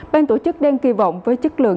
ban tổ chức đang kỳ vọng với chất lượng